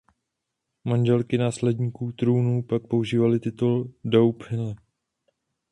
Manželky následníků trůnu pak používaly titul "dauphine".